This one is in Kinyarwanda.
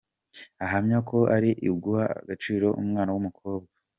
Ahamya ko ari uguha agaciro umwana w’umukobwa.